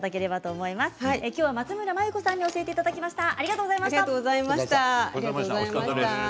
今日は松村眞由子さんに教えていただきました。